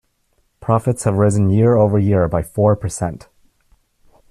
Profits have risen year over year by four percent.